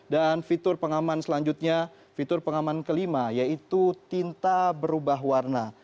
dan fitur pengaman selanjutnya fitur pengaman kelima yaitu tinta berubah warna